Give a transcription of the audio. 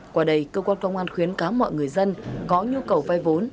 qua đây cơ quan công an khuyến cáo mọi người dân có nhu cầu vai vốn